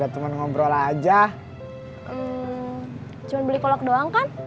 cuma beli kolok doang kan